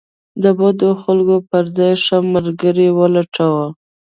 د بد خلکو پر ځای ښه ملګري ولټوه.